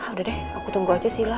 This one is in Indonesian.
udah deh aku tunggu aja silla